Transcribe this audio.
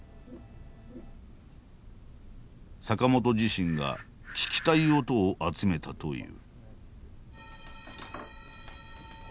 坂本自身が聴きたい音を集めたという。